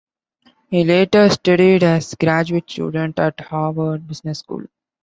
He later studied as graduate student at Harvard Business School.